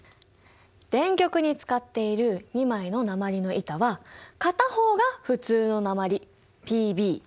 電極に使っている２枚の鉛の板は片方が普通の鉛Ｐｂ。